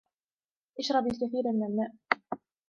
اشرب الكثير من الماء